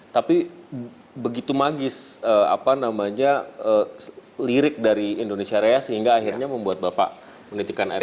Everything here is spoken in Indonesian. tapi begitu magis apa namanya lirik dari indonesia raya sehingga akhirnya membuat bapak meneteskan air mata